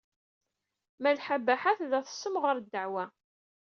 Malḥa Baḥa tella tessemɣar ddeɛwa.